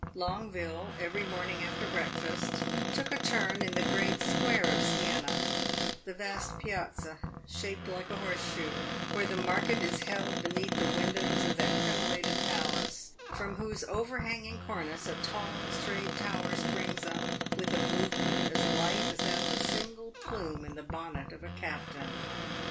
Longueville, every morning after breakfast, took a turn in the great square of Siena the vast piazza, shaped like a horse shoe, where the market is held beneath the windows of that crenellated palace from whose overhanging cornice a tall, straight tower springs up with a movement as light as that of a single plume in the bonnet of a captain.